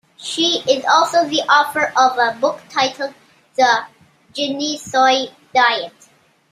She is also the author of a book titled "The Genisoy Diet".